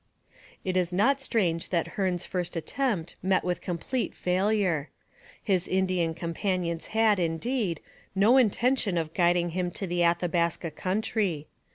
It is not strange that Hearne's first attempt met with complete failure. His Indian companions had, indeed, no intention of guiding him to the Athabaska country.